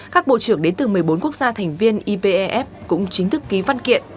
các bộ trưởng đến từ một mươi bốn quốc gia thành viên ipef cũng chính thức ký văn kiện